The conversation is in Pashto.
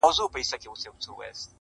دا ارزانه افغانان چي سره ګران سي,